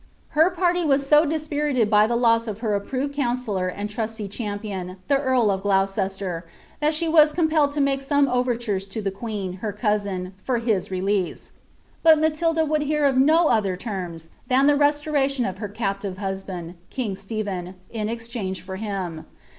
Her party was so dispirited by the loss of her approved counsellor ind trusty champion, the earl of Gloucester, that she was compelled to make some overtures to the queen, her cousin, for his release ; but Ma tilda would hear of no other terms than the restoration of her captive husband, king Stephen, in exchange for him.